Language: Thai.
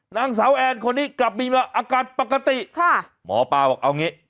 นางสาวแอนคนนี้กลับมีมาอาการปกติค่ะหมอปลาบอกเอางี้